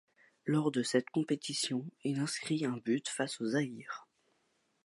Lors de cette compétition il inscrit un but face au Zaïre.